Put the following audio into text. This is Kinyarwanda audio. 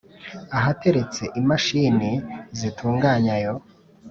ahateretse imashini zitunganya ayo